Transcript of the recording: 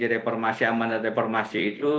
reformasi aman dan reformasi itu